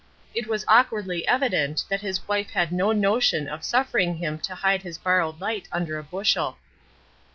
It was awkwardly evident that his wife had no notion of suffering him to hide his borrowed light under a bushel.